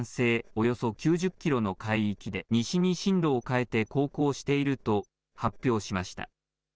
およそ９０キロの海域で西に進路を変えて航行していると発表しました。